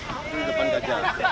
itu di depan gajah